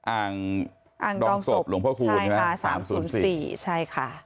อ่างดองศพหลวงพ่อคูณมา๓๐๔